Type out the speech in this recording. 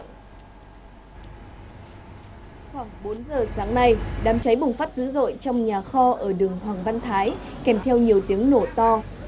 khoảng bốn giờ sáng nay đám cháy bùng phát dữ dội trong nhà kho ở đường hoàng văn thái